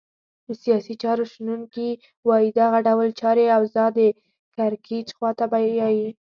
د سیاسي چارو شنونکي وایې دغه ډول چاري اوضاع د کرکېچ خواته بیایې.